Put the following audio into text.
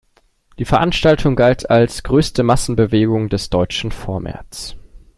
Die Veranstaltung galt als größte Massenbewegung des deutschen Vormärz.